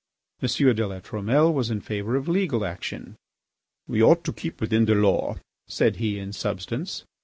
M. de La Trumelle was in favour of legal action. "We ought to keep within the law," said he in substance.